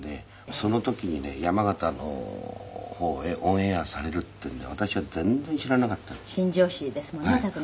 その時にね山形の方へオンエアされるっていうのを私は全然知らなかったの。